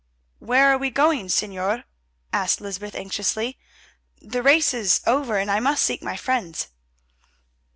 "Where are we going, Señor?" asked Lysbeth anxiously. "The race is over and I must seek my friends."